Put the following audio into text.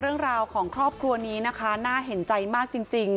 เรื่องราวของครอบครัวนี้นะคะน่าเห็นใจมากจริง